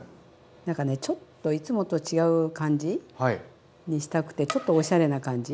なんかねちょっといつもと違う感じにしたくてちょっとおしゃれな感じ。